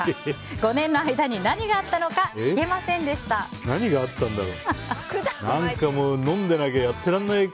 ５年の間に何があったのか何があったんだろう？